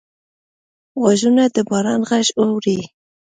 غوږونه د باران غږ اوري